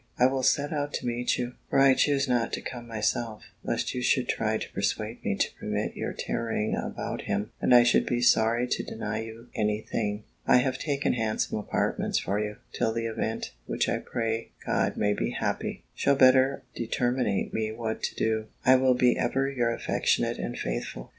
I will set out to meet you; for I choose not to come myself, lest you should try to persuade me to permit your tarrying about him; and I should be sorry to deny you any thing. I have taken handsome apartments for you, till the event, which I pray God may be happy, shall better determinate me what to do. I will be ever your affectionate and faithful."